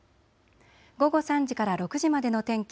午後３時から６時までの天気。